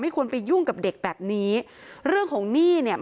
ควรไปยุ่งกับเด็กแบบนี้เรื่องของหนี้เนี่ย